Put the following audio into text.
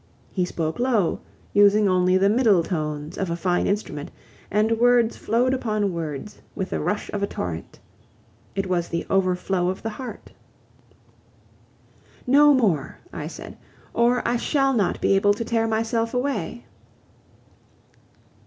He spoke low, using only the middle tones of a fine instrument, and words flowed upon words with the rush of a torrent. It was the overflow of the heart. "No more," I said, "or I shall not be able to tear myself away."